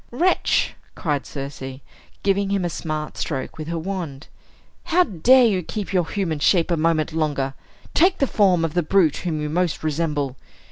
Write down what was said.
"Wretch," cried Circe, giving him a smart stroke with her wand, "how dare you keep your human shape a moment longer! Take the form of the brute whom you most resemble.